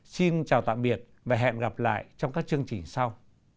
xin chào tạm biệt và hẹn gặp lại trong các chương trình sau